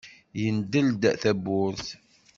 Yendel-d tawwurt.